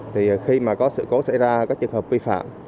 thì khi mà có sự cố xảy ra các trường hợp vi phạm